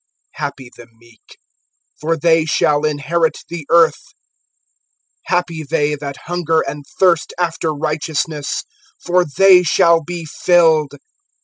(5)Happy the meek; for they shall inherit the earth[5:5]. (6)Happy they that hunger and thirst after righteousness; for they shall be filled.